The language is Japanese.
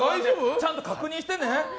ちゃんと確認してね。